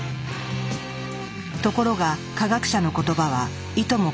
ところが科学者の言葉はいとも